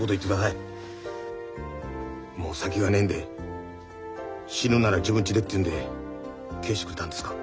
もう先がねえんで死ぬなら自分ちでって言うんで帰してくれたんですか？